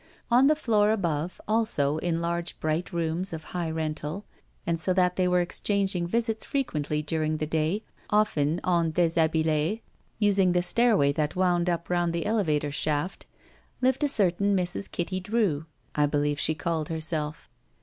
On the floor above, also in large, bright rooms of high rental, and so that they were exchang ing visits frequently during the day, often en dis habilU, using the stairway that wotmd up round the elevator shaft, lived a certain Mrs. Kitty Drew, I believe she called herself.